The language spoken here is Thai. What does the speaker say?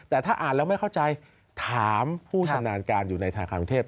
แต่ถ้าอ่านแล้วไม่เข้าใจถามผู้ชำนาญการอยู่ในธนาคารกรุงเทพ